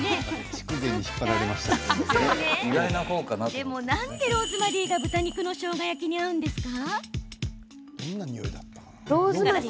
でも、なんでローズマリーが豚肉のしょうが焼きに合うんですか？